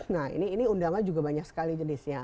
nah ini undangan juga banyak sekali jenisnya